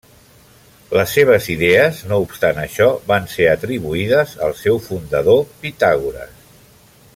Les seves idees, no obstant això, van ser atribuïdes al seu fundador, Pitàgores.